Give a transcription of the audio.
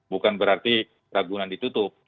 bukan berarti ragunan ditutup